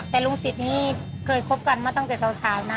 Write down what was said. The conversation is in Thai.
แต่ลุงศิษย์นี้เคยคบกันมาตั้งแต่สาวนะ